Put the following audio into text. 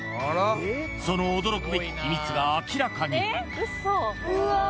その驚くべき秘密が明らかに。